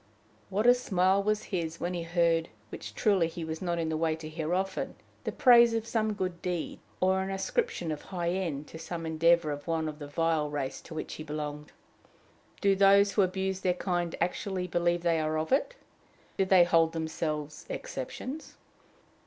What a smile was his when he heard, which truly he was not in the way to hear often, the praise of some good deed, or an ascription of high end to some endeavor of one of the vile race to which he belonged! Do those who abuse their kind actually believe they are of it? Do they hold themselves exceptions?